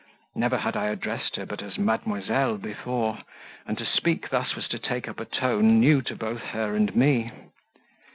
Never had I addressed her but as "Mademoiselle" before, and to speak thus was to take up a tone new to both her and me.